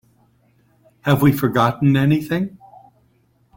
Have we forgotten anything?